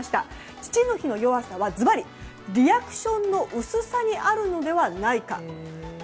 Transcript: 父の日の弱さはずばりリアクションの薄さにあるのではないかと。